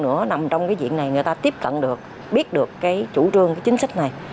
nằm trong diện này người ta tiếp cận được biết được chủ trương chính sách này